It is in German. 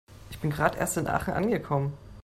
Ich bin gerade erst in Aachen angekommen